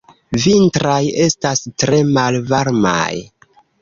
Vintraj estas tre malvarmaj.